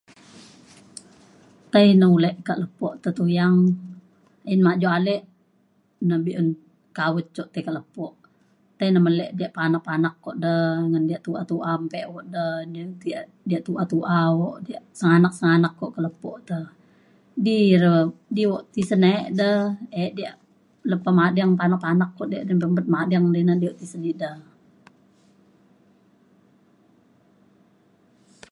tai ne ilu ke lepo' te tuyang ayen majau alik na be'un kawet cuk tai ke lepo' tai ne melik diak panak panak ko' de ngan diak tu'a tu'a empe uk de diak tu'a tu'a uk diak senganak senganak uk ke lepo te di re di uk tesen ek da ek diak lepa mading panak panak ko diak pempet mading di ne be' uk tisen eda